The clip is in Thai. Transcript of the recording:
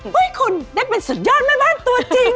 เฮ้ยคุณได้เป็นสุดยอดแม่บ้านตัวจริง